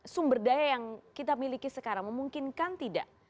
sumber daya yang kita miliki sekarang memungkinkan tidak